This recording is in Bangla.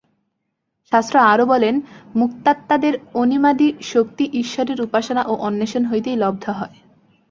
শাস্ত্র আরও বলেন, মুক্তাত্মাদের অণিমাদি-শক্তি ঈশ্বরের উপাসনা ও অন্বেষণ হইতেই লব্ধ হয়।